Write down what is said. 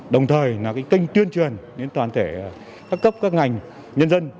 đồng thời là kênh tuyên truyền đến toàn thể các cấp các ngành nhân dân